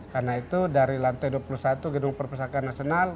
karena itu dari lantai dua puluh satu gedung perpustakaan nasional